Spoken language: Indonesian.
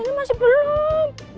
ini masih belum